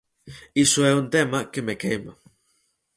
Iso é un tema que me queima.